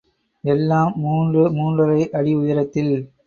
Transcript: எல்லாம் மூன்று, மூன்றரை அடி உயரத்தில்.